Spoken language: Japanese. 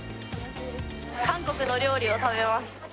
韓国の料理を食べます。